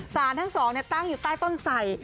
สารทั้งสองตั้งอยู่ใต้ต้นไส